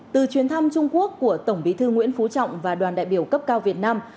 từ chuyến thăm trung quốc của tổng bí thư nguyễn phú trọng và đoàn đại biểu cấp cao việt nam